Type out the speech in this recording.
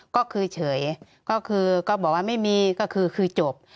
ก็คือเฉยก็คือก็บอกว่าไม่มีก็คือจบ